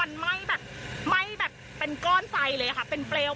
เป็นก้อนไฟเลยค่ะเป็นเปลวเพลิงใหญ่ไปแล้ว